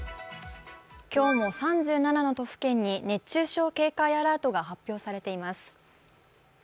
今日は３７の都府県に熱中症警戒アラートが発表されています。